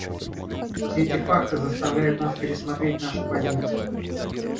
Все эти факты заставляют нас пересмотреть нашу позицию.